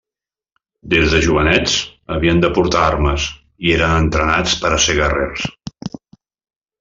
Des de jovenets, havien de portar armes i eren entrenats per a ser guerrers.